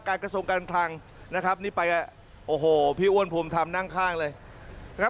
การกระทรงการคลังนะครับนี่ไปโอ้โหพี่อ้วนภูมิทำนั่งข้างเลย